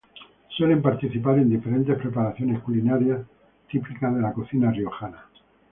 Suelen participar en diferentes preparaciones culinarias típicas de la cocina riojana.